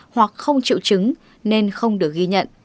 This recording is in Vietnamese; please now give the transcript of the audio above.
hoặc không triệu chứng nên không được ghi nhận